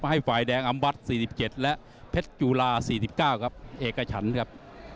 ให้ฝ่ายแดงอำวัด๔๗และเพชรจุฬา๔๙ครับเอกฉันครับ